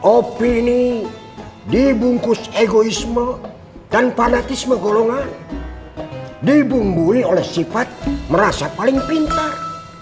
opini dibungkus egoisme dan fanatisme golongan dibumbui oleh sifat merasa paling pintar